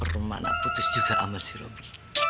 rom mana putus juga sama si robby